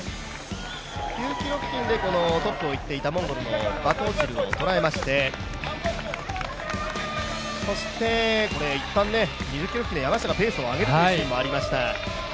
９ｋｍ付近でトップを行っていたバトオチルを捉えましてそして、一旦２０ｋｍ付近で山下がペースを上げるシーンもありました。